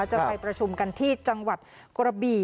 จะไปประชุมกันที่จังหวัดกระบี่